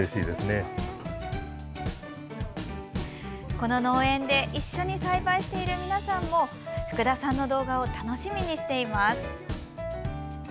この農園で一緒に栽培している皆さんも福田さんの動画を楽しみにしています。